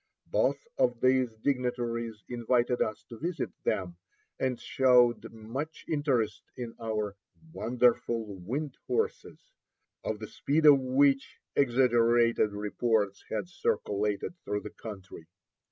Both of these dignitaries invited us to visit them, and showed much interest in our "wonderful wind horses," of the speed of which exaggerated reports had circulated through the country.